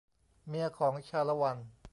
เมียของชาละวัน